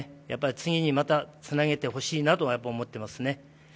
次にまたつなげてほしいなとは思っていますね。